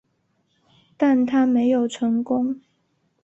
但它没有成功。